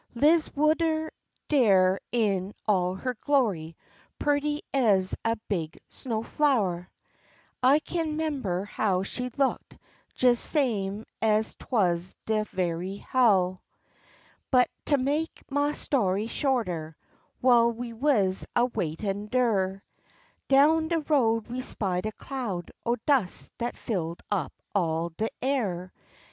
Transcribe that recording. Lize wuz der in all her glory, purty ez a big sunflowah, I kin 'member how she looked jes same ez 'twuz dis ve'y houah. But to make ma story shorter, w'ile we wuz a waitin' der, Down de road we spied a cloud o' dus' dat filled up all de air.